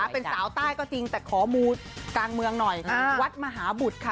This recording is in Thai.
เป็นสาวใต้ก็จริงแต่ขอมูกลางเมืองหน่อยวัดมหาบุตรค่ะ